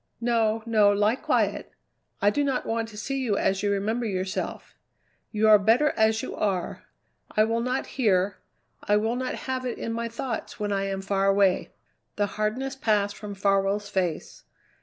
No, no, lie quiet. I do not want to see you as you remember yourself; you are better as you are. I will not hear; I will not have it in my thought when I am far away." The hardness passed from Farwell's face.